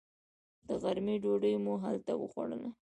د غرمې ډوډۍ مو هلته وخوړله.